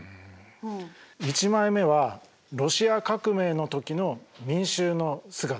１枚目はロシア革命の時の民衆の姿。